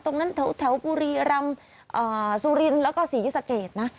ตรงนั้นแถวแถวบุรีรำเอ่อซูรินร์แล้วก็สีสเกจนะ